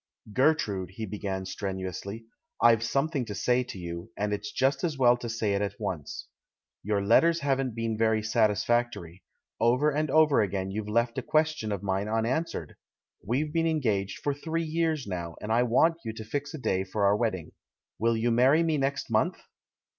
"Gertrude," he began strenuously, "I've some thing to say to you, and it's just as well to say it at once. Your letters haven't been very satis factory — over and over again you've left a ques tion of mine unanswered. We've been engaged for three years now, and I want you to fix a day for our wedding. Will you marry me next month?"